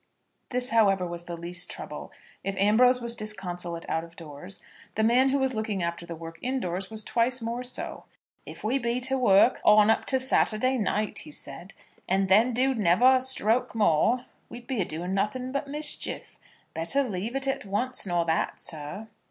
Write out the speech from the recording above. This, however, was the least trouble. If Ambrose was disconsolate out of doors, the man who was looking after the work indoors was twice more so. "If we be to work on up to Saturday night," he said, "and then do never a stroke more, we be a doing nothing but mischief. Better leave it at once nor that, sir."